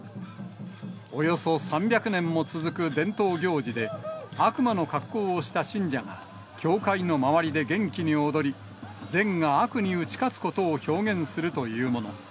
およそ３００年も続く伝統行事で、悪魔の格好をした信者が、教会の周りで元気に踊り、善が悪に打ち勝つことを表現するというもの。